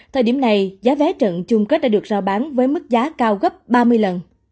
thời điểm này giá vé trận chung kết đã được giao bán với mức giá cao gấp ba mươi lần